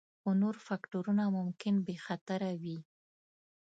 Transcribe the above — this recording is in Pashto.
خو نور فکتورونه ممکن بې خطره وي